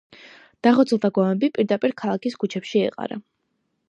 დახოცილთა გვამები პირდაპირ ქალაქის ქუჩებში ეყარა.